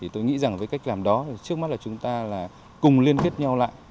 tôi nghĩ với cách làm đó trước mắt chúng ta cùng liên kết nhau lại